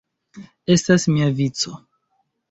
Estas mia vico!